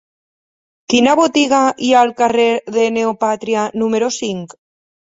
Quina botiga hi ha al carrer de Neopàtria número cinc?